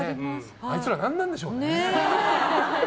あいつら何なんでしょうね。